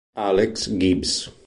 Alex Gibbs